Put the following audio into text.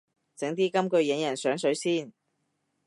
整啲金句引人上水先